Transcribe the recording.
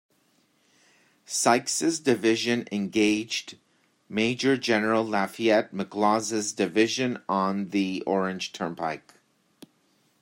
Sykes' division engaged Major General Lafayette McLaws' division on the Orange Turnpike.